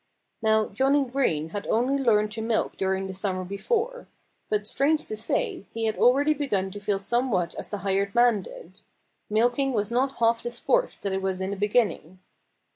Now, Johnnie Green had only learned to milk during the summer before. But strange to say, he had already begun to feel somewhat as the hired man did. Milking was not half the sport that it was in the beginning.